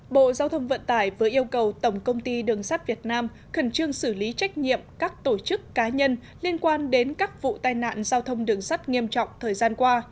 bộ giao thông vận tải vừa yêu cầu tổng công ty đường sắt việt nam khẩn trương xử lý trách nhiệm các tổ chức cá nhân liên quan đến các vụ tai nạn giao thông đường sắt nghiêm trọng thời gian qua